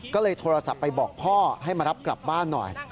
ก็เลยโทรศัพท์ไปบอกพ่อให้มารับกลับบ้านหน่อย